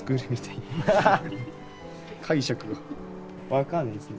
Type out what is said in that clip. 分かんないっすね。